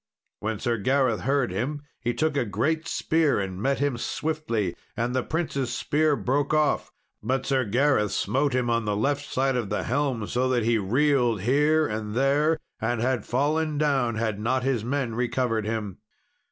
When Sir Gareth heard him, he took a great spear and met him swiftly. And the prince's spear broke off, but Sir Gareth smote him on the left side of the helm, so that he reeled here and there, and had fallen down had not his men recovered him.